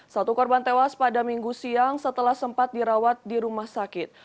satu korban tewas pada minggu siang setelah sempat dirawat di rumah sakit